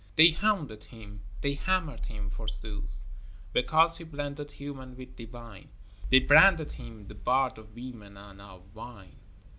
They hounded him, they hammered him forsooth; Because he blended human with divine, They branded him "the bard of women and of wine."